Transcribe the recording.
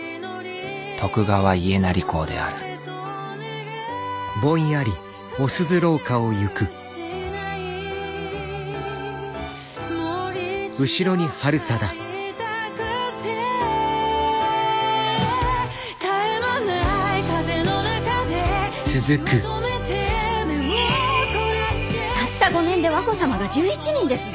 徳川家斉公であるたった５年で和子様が１１人ですぞ！